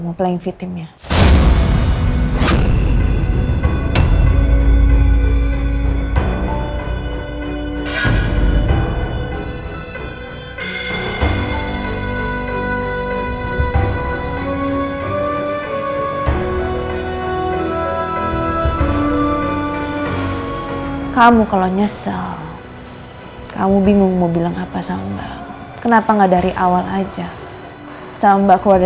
naruh nini di pantiasuhan